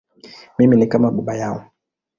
Mimi ni kama baba yao.